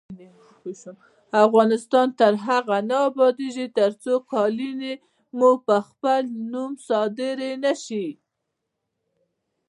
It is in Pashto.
افغانستان تر هغو نه ابادیږي، ترڅو قالینې مو په خپل نوم صادرې نشي.